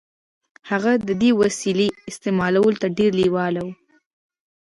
هغه د دې وسیلې استعمال ته ډېر لېوال نه و